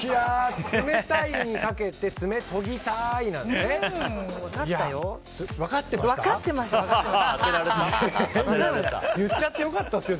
冷たいにかけて爪とぎたいってね。